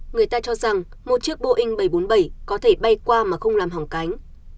người ta cho rằng một chiếc boeing bảy trăm bốn mươi bảy có thể bay qua mà không làm hỏng cánh